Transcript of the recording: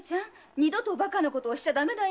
二度とバカなことをしちゃダメだよ。